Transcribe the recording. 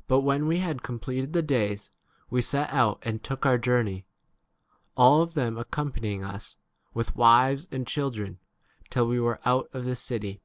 5 But when we had completed the days, we set out and took our journey, all of them accompany ing us, with wives and children, till [we were] out of the city.